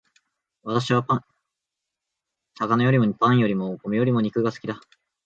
私は魚よりもパンよりもお米よりも肉が好きだ